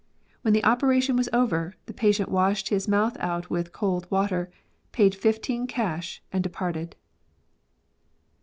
When the operation was over, the patient washed his mouth out with cold water, paid fifteen cash and departed."